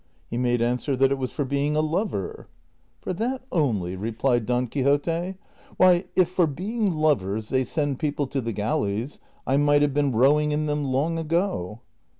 He made answer that it was for being a lover. '' For that only ?" replied Don Quixote ;" why, if for being lovers they send people to the galleys I might have been row ing in them long ago."